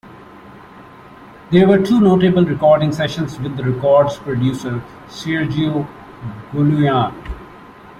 There were two notable recording sessions with the record's producer, Sergio Galoyan.